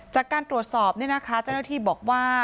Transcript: จากการตรวจสอบเนี่ยนะคะเจ้าหน้าที่บอกว่า